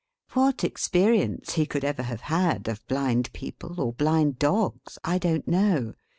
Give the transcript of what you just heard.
What experience he could ever have had of blind people or blind dogs, I don't know.